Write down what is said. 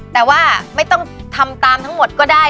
แต่ว่าไม่ต้องทำตามทั้งหมดก็ได้